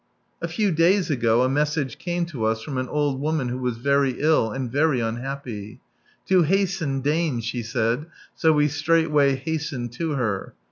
A few days ago a message came to us from an old woman wlio was very ill, and very unhappy. " To hasten, deign," she said, so we straightway hastened to her.